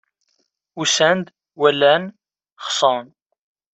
Usan-d, walan, xeṣren.